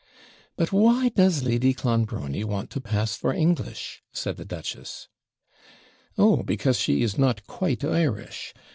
'But why does Lady Clonbrony want to pass for English?' said the duchess. 'Oh! because she is not quite Irish.